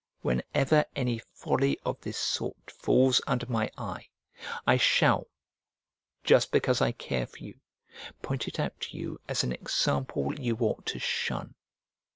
Whenever any folly of this sort falls under my eye, I shall, just because I care for you, point it out to you as an example you ought to shun.